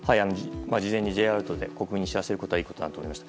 事前にＪアラートで国民に知らせることはいいことだと思います。